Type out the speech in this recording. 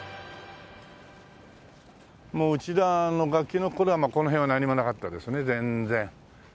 もううちらガキの頃はこの辺は何もなかったですね全然。